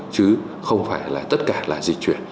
chứ không phải là tất cả là dịch chuyển